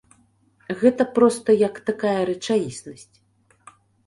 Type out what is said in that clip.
Гэта проста як такая рэчаіснасць.